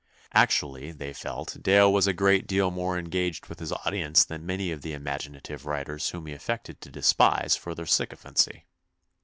Actually, they felt, Dale was a great deal more engaged with his audience than many of the imaginative writers whom he affected to despise for their sycophancy.